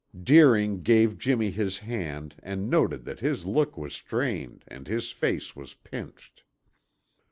Deering gave Jimmy his hand and noted that his look was strained and his face was pinched.